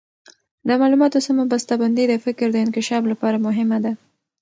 د معلوماتو سمه بسته بندي د فکر د انکشاف لپاره مهمه ده.